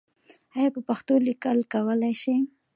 آیا په پښتو لیکل کولای سې؟